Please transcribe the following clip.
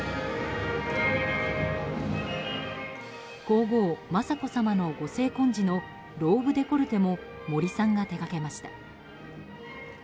皇后・雅子さまのご成婚時のローブデコルテも森さんが手がけました。